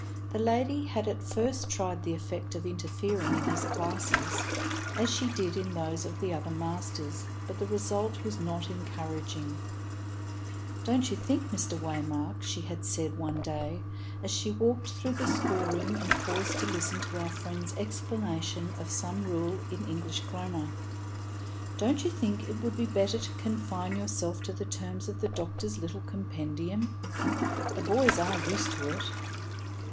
The lady had at first tried the effect of interfering in his classes, as she did in those of the other masters, but the result was not encouraging. "Don't you think, Mr. Waymark," she had said one day, as she walked through the school room and paused to listen to our friend's explanation of some rule in English grammar; "don't you think it would be better to confine yourself to the terms of the doctor's little compendium? The boys are used to it."